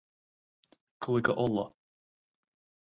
Cúige Uladh